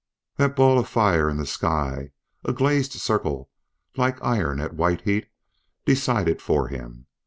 That ball of fire in the sky, a glazed circle, like iron at white heat, decided for him.